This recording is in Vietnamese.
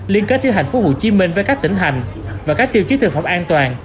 liên kết với tp hcm với các tỉnh hành và các tiêu chí thực phẩm an toàn